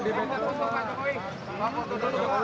di betrop pak